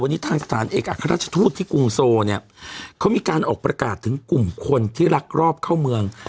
วันนี้ทางสถานเอกอัครราชทูตที่กรุงโซเนี่ยเขามีการออกประกาศถึงกลุ่มคนที่รักรอบเข้าเมือง